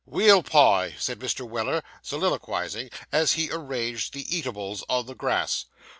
'Weal pie,' said Mr. Weller, soliloquising, as he arranged the eatables on the grass.